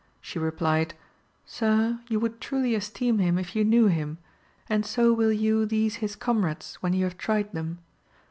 She replied, Sir, you would truly esteem him if you knew him, and so will you these his comrades, when you have tried them.